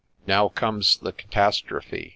Now comes the catastrophe !